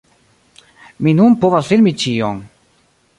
Mi nun povas filmi ĉion!